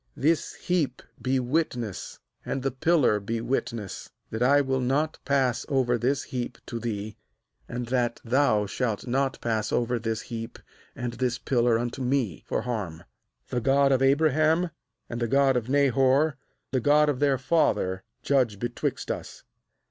^This heap be witness, and the pillar be witness, that I will not pass over this heap to thee, and that thou shalt not pass over this heap and this pillar unto me, for harm. ^The God of Abraham, and the God of Nahor, the God of their father, judge be twixt us.'